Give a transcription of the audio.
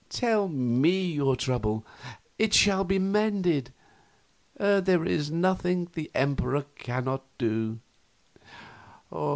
Tell me your trouble it shall be mended; there is nothing the Emperor cannot do."